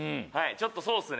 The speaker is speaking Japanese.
ちょっとそうですね。